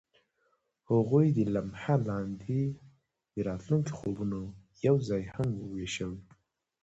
هغوی د لمحه لاندې د راتلونکي خوبونه یوځای هم وویشل.